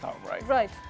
sabun dari tanah liat